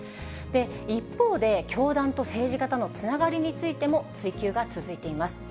一方で、教団と政治家とのつながりについても、追及が続いています。